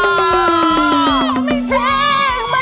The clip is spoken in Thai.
ไม่ใช่